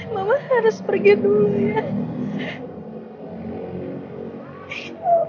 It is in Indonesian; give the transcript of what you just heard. mama harus pergi dulu ya